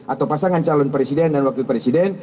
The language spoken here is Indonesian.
atau pasangan calon presiden dan wakil presiden